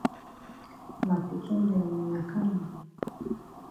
Ma pikin dem wuna kam oo.